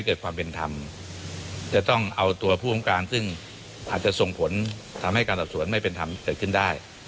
การต่อส่งผลให้การต่อส่วนไม่เป็นธรรมเกิดขึ้นได้